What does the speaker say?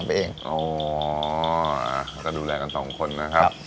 อ๋อเราจะดูแลกัน๒คนนะครับ